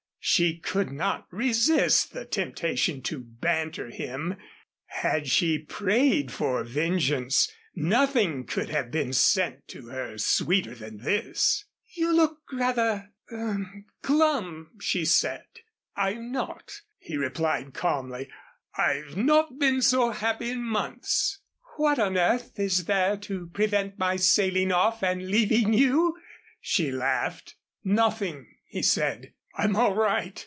She could not resist the temptation to banter him. Had she prayed for vengeance, nothing could have been sent to her sweeter than this. "You look rather er glum," she said. "I'm not," he replied, calmly. "I've not been so happy in months." "What on earth is there to prevent my sailing off and leaving you?" she laughed. "Nothing," he said. "I'm all right.